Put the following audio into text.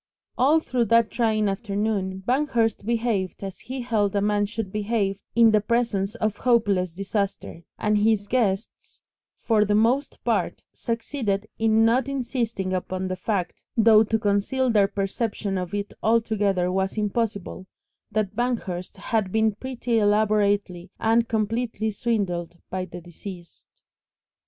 All through that trying afternoon Banghurst behaved as he held a man should behave in the presence of hopeless disaster, and his guests for the most part succeeded in not insisting upon the fact though to conceal their perception of it altogether was impossible that Banghurst had been pretty elaborately and completely swindled by the deceased.